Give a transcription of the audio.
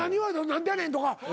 何でやねんとか。